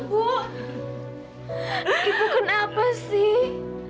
ibu kenapa sih